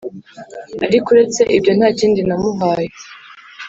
ariko uretse ibyo ntakindi namuhaye,